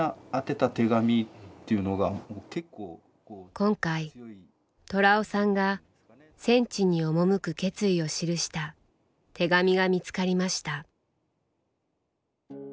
今回寅雄さんが戦地に赴く決意を記した手紙が見つかりました。